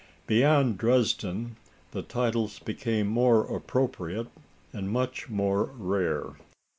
Beyond Dresden, the titles became more appropriate and much more rare.